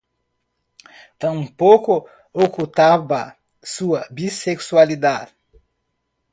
Tampoco ocultaba su bisexualidad.